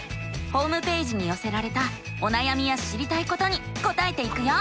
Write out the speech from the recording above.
ホームページによせられたおなやみや知りたいことに答えていくよ。